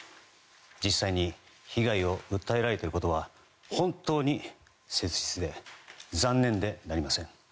実際に被害を訴えられていることは本当に切実で残念でなりません。